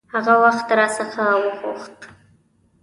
هغه وخت را څخه وغوښت.